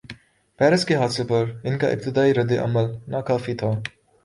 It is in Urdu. پیرس کے حادثے پر ان کا ابتدائی رد عمل ناکافی تھا۔